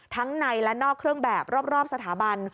ทั้งในและนอกเครื่องแบบรอบสถาบัน